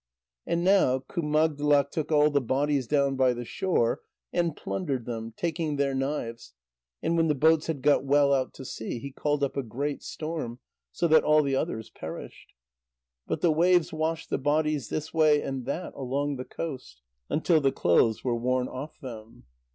And now Kumagdlak took all the bodies down by the shore and plundered them, taking their knives, and when the boats had got well out to sea, he called up a great storm, so that all the others perished. But the waves washed the bodies this way and that along the coast, until the clothes were worn off them.